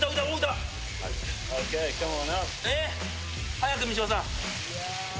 早く三島さん。